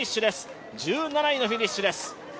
１７位のフィニッシュです。